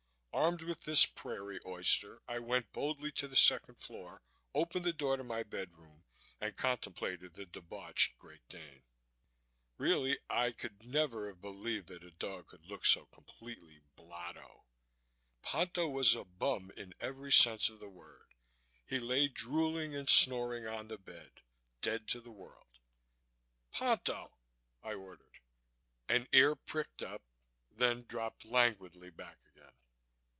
Armed with this Prairie Oyster, I went boldly to the second floor, opened the door to my bedroom and contemplated the debauched Great Dane. Really, I could never have believed that a dog could look so completely blotto. Ponto was a bum in every sense of the word. He lay drooling and snoring on the bed, dead to the world. "Ponto!" I ordered. An ear pricked up, then dropped languidly back again.